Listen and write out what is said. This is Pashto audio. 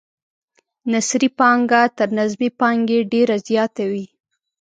نثري پانګه تر نظمي پانګې ډیره زیاته وي.